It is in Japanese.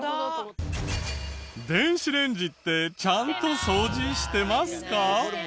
電子レンジってちゃんと掃除してますか？